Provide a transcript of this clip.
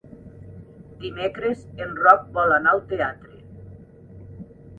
Dimecres en Roc vol anar al teatre.